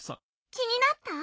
きになった？